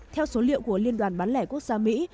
theo số liệu của liên đoàn bán lẻ quốc gia mỹ